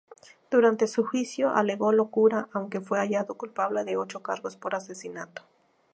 Durante su juicio alegó locura, aunque fue hallado culpable de ocho cargos por asesinato.